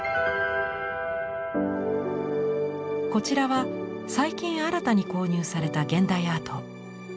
こちらは最近新たに購入された現代アート。